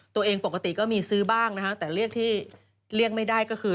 ตัวเองปกติก็มีซื้อบ้างนะฮะแต่เรียกที่เรียกไม่ได้ก็คือ